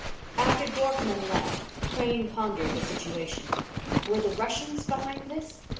After Dorfman left, Crane pondered the situation. Were the Russians behind this?